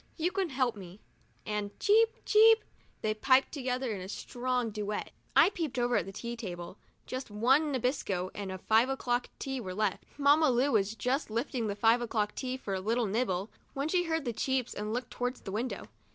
You can help me," and cheep ! cheep ! they piped together in a strong duet. I peeped over at the tea table. Just one Nabisco and one five o'clock tea were left. Mamma Lu was just lifting the five o'clock tea for a little nibble, when she heard the cheeps and looked towards the window.